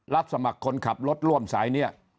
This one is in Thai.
รับสมัครคนขับรถร่วมสายนี้